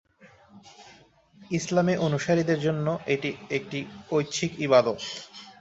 ইসলামে অনুসারীদের জন্যে এটি একটি ঐচ্ছিক ইবাদত।